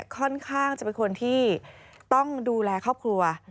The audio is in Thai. ค่อนข้างจะเป็นคนที่ต้องดูแลครอบครัว